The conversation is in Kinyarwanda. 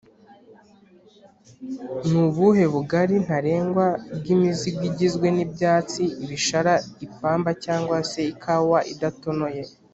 Nubuhe bugali ntarengwa bw’imizigo igizwe n’ibyatsi, ibishara, ipamba cg se ikawa idatonoye